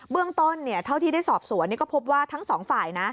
เรื่องต้นเท่าที่ได้สอบสวนก็พบว่าทั้งสองฝ่ายนะ